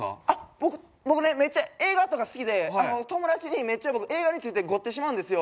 僕僕ねめっちゃ映画とか好きで友達にめっちゃ僕映画についてごってしまうんですよ。